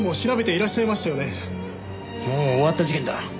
もう終わった事件だ。